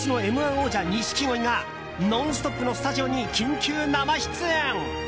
王者、錦鯉が「ノンストップ！」のスタジオに緊急生出演！